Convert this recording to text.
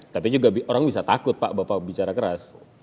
tapi juga orang bisa takut pak bapak bicara keras